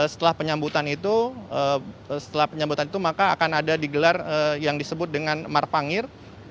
setelah penyambutan itu maka akan ada digelar yang disebut dengan marpangir